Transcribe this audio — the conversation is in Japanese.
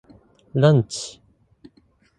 ランチ